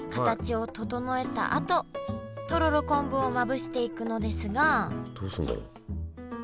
あととろろ昆布をまぶしていくのですがどうすんだろう？